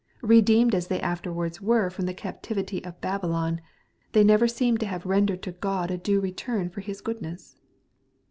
Bedeemed as they afterwards were from the captivity of Babylon, they never seem to have rendered to Gkni a due return for His goodness.